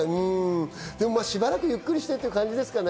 でも、しばらくゆっくりしてって感じですかね。